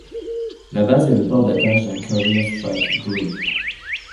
La base est le port d'attache d’un Carrier strike group.